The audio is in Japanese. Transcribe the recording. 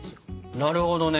なるほどね。